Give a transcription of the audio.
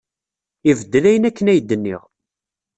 Ibeddel ayen akken ay d-nniɣ.